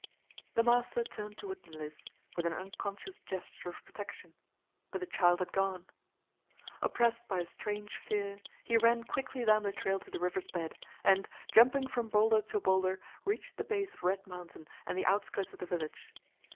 The master turned toward Mliss with an unconscious gesture of protection, but the child had gone. Oppressed by a strange fear, he ran quickly down the trail to the river's bed, and, jumping from boulder to boulder, reached the base of Red Mountain and the outskirts of the village.